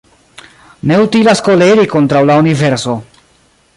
Ne utilas koleri kontraŭ la universo